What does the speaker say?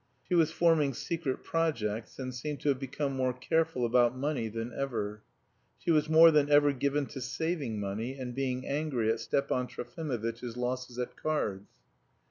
She was forming secret projects, and seemed to have become more careful about money than ever. She was more than ever given to saving money and being angry at Stepan Trofimovitch's losses at cards.